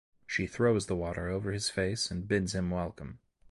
She throws the water over his face and bids him welcome.